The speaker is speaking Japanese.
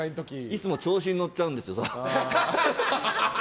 いつも調子に乗っちゃうんですよ。